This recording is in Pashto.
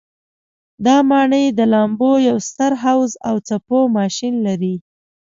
دا ماڼۍ د لامبو یو ستر حوض او څپو ماشین لري.